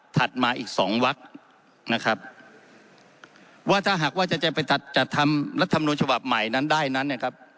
มาอีกสองวักนะครับว่าถ้าหากว่าจะจะไปจัดจัดทำรัฐมนุนฉบับใหม่นั้นได้นั้นนะครับ